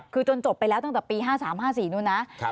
คือจนจบไปแล้วตั้งแต่ปี๕๓๕๔นู้นนะ